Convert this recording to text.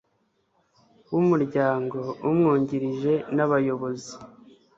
w umuryango umwungirije n abayobozi